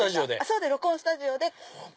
そうです録音スタジオで。